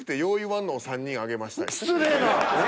失礼な。